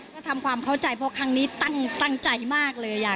ก็ทำความเข้าใจเพราะครั้งนี้ตั้งใจมากเลยอ่ะ